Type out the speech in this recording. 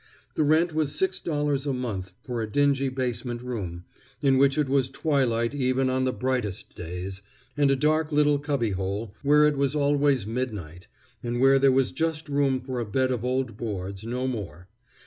The rent was six dollars a month for a dingy basement room, in which it was twilight even on the brightest days, and a dark little cubbyhole, where it was always midnight, and where there was just room for a bed of old boards, no more.